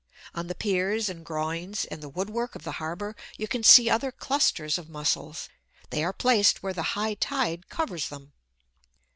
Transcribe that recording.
On the piers and groynes, and the woodwork of the harbour, you can see other clusters of Mussels; they are placed where the high tide covers them.